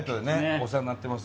お世話になってます。